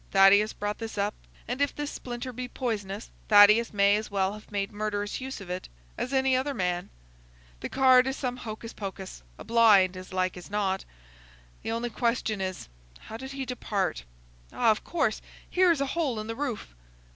Thaddeus brought this up, and if this splinter be poisonous Thaddeus may as well have made murderous use of it as any other man. The card is some hocus pocus,—a blind, as like as not. The only question is, how did he depart? Ah, of course, here is a hole in the roof."